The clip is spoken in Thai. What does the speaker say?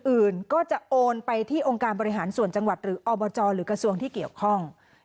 อื่นก็จะโอนไปที่องค์การบริหารส่วนจังหวัดหรืออบจหรือกระทรวงที่เกี่ยวข้อง